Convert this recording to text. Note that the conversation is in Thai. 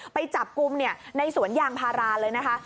ไปจับกลุ่มในสวนยางพาราเลยนะคะ